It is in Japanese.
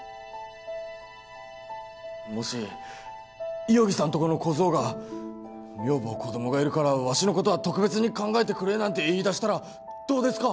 もし五百木さんとこの小僧が女房子供がいるからわしのことは特別に考えてくれなんて言いだしたらどうですか？